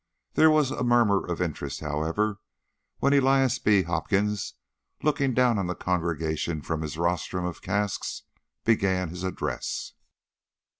There was a murmur of interest, however, when Elias B. Hopkins, looking down on the congregation from his rostrum of casks, began his address.